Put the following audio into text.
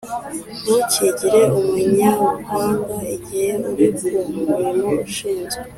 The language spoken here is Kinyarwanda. Ntukigire umunyabuhanga igihe uri ku murimo ushinzwe,